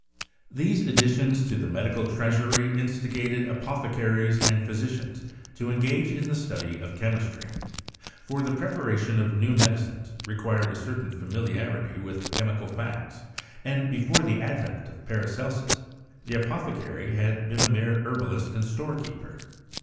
These ad ditions to the medical treasury instigated apothecaries and physicians to engage in the study of chemistry; for the preparation of new medicines required a certain familiarity with chemical facts, and before the advent of Paracelsus, the apothecary had been a mere herbalist and storekeeper.